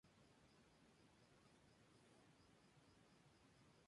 Sin embargo, terminaría siendo adelantada como producto de este infortunado accidente.